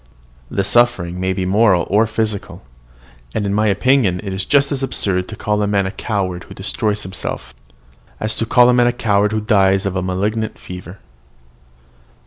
The suffering may be moral or physical; and in my opinion it is just as absurd to call a man a coward who destroys himself, as to call a man a coward who dies of a malignant fever."